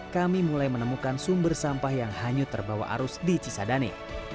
kami mulai menemukan sumber sampah yang hanyut terbawa arus di cisadane